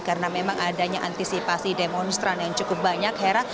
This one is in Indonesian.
karena memang adanya antisipasi demonstran yang cukup banyak hera